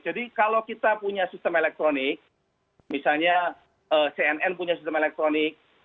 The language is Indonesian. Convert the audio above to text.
jadi kalau kita punya sistem elektronik misalnya cnn punya sistem elektronik